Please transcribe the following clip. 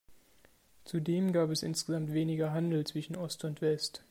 Zudem gab es insgesamt weniger Handel zwischen Ost und West.